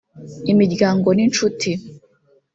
Imiryango n’inshuti